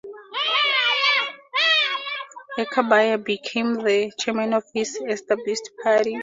Enkhbayar became the chairman of his established party.